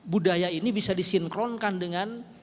budaya ini bisa disinkronkan dengan